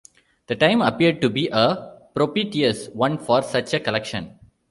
The time appeared to be a propitious one for such a collection.